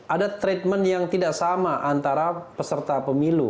ada treatment yang tidak sama antara peserta pemilu